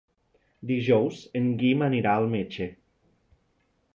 Dijous en Guim anirà al metge.